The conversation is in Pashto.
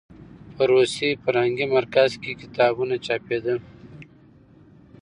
په روسي فرهنګي مرکز کې کتابونه چاپېدل.